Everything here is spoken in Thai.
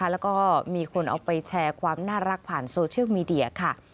แล้วก็มีคนเอาไปแชร์ความน่ารักผ่านโซเชียลมีเดียค่ะ